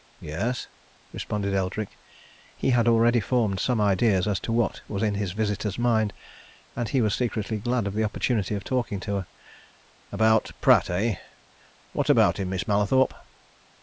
"Yes?" responded Eldrick. He had already formed some idea as to what was in his visitor's mind, and he was secretly glad of the opportunity of talking to her. "About Pratt, eh? What about him, Miss Mallathorpe?"